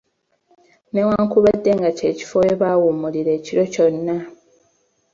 Ne wankubadde nga kye kifo we bawummulira ekiro kyonna.